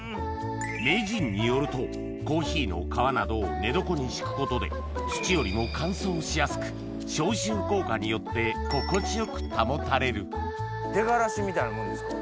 名人によるとコーヒーの皮などを寝床に敷くことで土よりも乾燥しやすく消臭効果によって心地よく保たれる出がらしみたいなもんですか？